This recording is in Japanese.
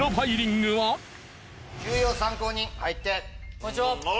こんにちは。